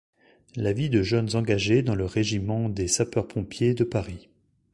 La vie de jeunes engagés dans le régiment des sapeurs-pompiers de Paris.